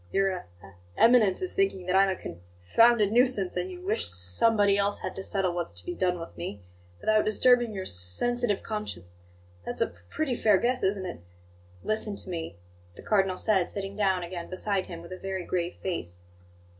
Your E eminence is thinking that I'm a conf founded nuisance, and you wish s somebody else had to settle what's to be done with me, without disturbing your s sensitive conscience. That's a p pretty fair guess, isn't it?" "Listen to me," the Cardinal said, sitting down again beside him, with a very grave face.